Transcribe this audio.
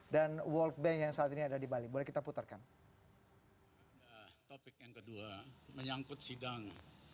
dan world bank yang saat ini ada di bali boleh kita putarkan hai topik yang kedua menyangkut sidang